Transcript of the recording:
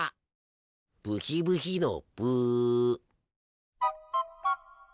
ブヒブヒのブ。